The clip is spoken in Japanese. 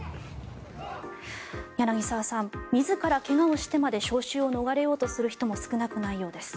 柳澤さん自ら怪我をしてまで招集を逃れようとする人も少なくないようです。